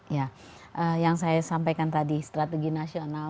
ya yang saya sampaikan tadi strategi nasional